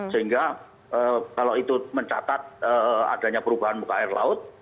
sehingga kalau itu mencatat adanya perubahan muka air laut